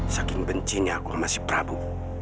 saking bencinya aku sama si prabu